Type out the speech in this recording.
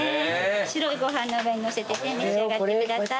白いご飯の上にのせてね召し上がってください。